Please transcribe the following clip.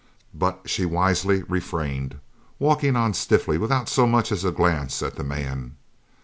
But she wisely refrained, walking on stiffly without so much as a glance at the man.